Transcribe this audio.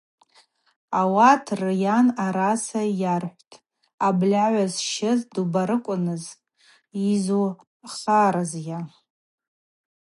Ауат рйан араса йархӏвтӏ: – Абльагӏва зщыз дубарыквныз, йзухарызйа?